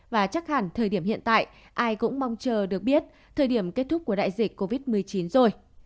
và chắc hẳn thời điểm hiện tại ai cũng mong chờ được biết thời điểm kết thúc của đại dịch covid một mươi chín rồi